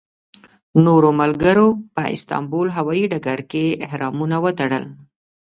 نورو ملګرو په استانبول هوایي ډګر کې احرامونه وتړل.